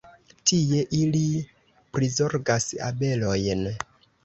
Tie, ili prizorgas abelojn.